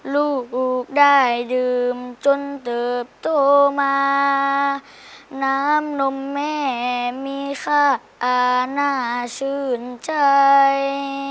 ลูกได้ดื่มจนเติบโตมาน้ำนมแม่มีค่าน่าชื่นใจ